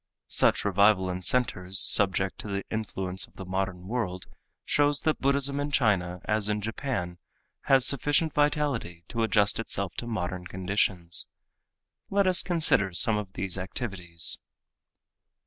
Such revival in centers subject to the influence of the modern world shows that Buddhism in China as in Japan has sufficient vitality to adjust itself to modern conditions. Let us consider some of these activities.